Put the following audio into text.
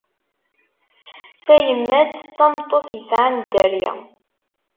Tayemmat d tameṭṭut yesɛan dderya.